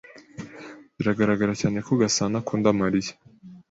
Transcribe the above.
Biragaragara cyane ko Gasanaakunda Mariya.